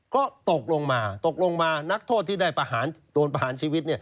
ก็ตกลงมาตกลงมานักโทษที่ได้โดนประหารชีวิต